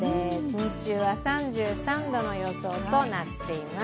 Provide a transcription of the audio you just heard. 日中は３３度の予想となっています。